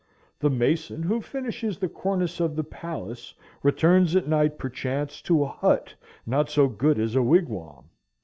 The mason who finishes the cornice of the palace returns at night perchance to a hut not so good as a wigwam.